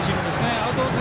アウトコース